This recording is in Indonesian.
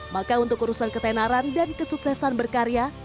maka untuk urusan ketenaran dan kesuksesan berkarya